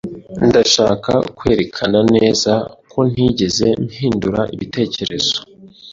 Ndashaka kwerekana neza ko ntigeze mpindura ibitekerezo.